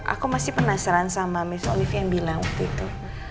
aku masih penasaran sama mas olivia yang bilang waktu itu